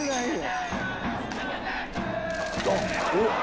おっ。